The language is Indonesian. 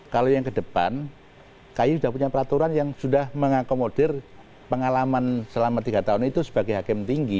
kalau yang ke depan kay sudah punya peraturan yang sudah mengakomodir pengalaman selama tiga tahun itu sebagai hakim tinggi